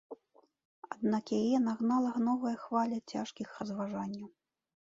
Аднак яе нагнала новая хваля цяжкіх разважанняў.